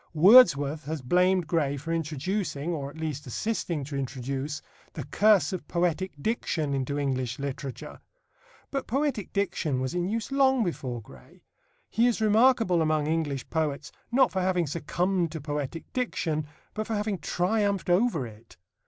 Wordsworth has blamed Gray for introducing, or at least, assisting to introduce, the curse of poetic diction into English literature. But poetic diction was in use long before Gray. He is remarkable among English poets, not for having succumbed to poetic diction, but for having triumphed over it.